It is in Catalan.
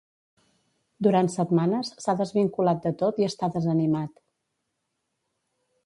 Durant setmanes s’ha desvinculat de tot i està desanimat.